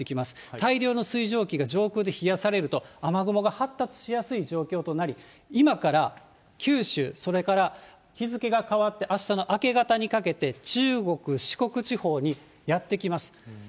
大量の水蒸気が上空で冷やされると、雨雲が発達しやすい状況となり、今から九州、それから日付が変わって、あしたの明け方にかけて、中国、四国地方にやって来ます。